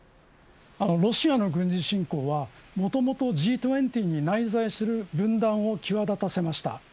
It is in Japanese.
ロシアの軍事侵攻は、もともとＧ２０に内在する分断を際立たせました。